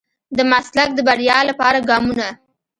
د مسلک د بريا لپاره ګامونه.